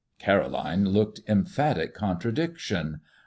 Caroline looked emphatic contradiction.